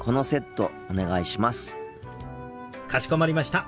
かしこまりました。